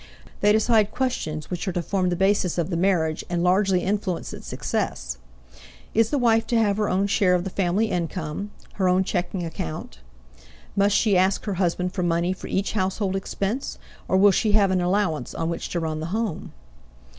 They decide questions which are to form the basis of the marriage and largely influence its success: Is the wife to have her own share of the family income, her own checking account? Must she ask her husband for money for each household expense, or will she have an allowance on which to run the home?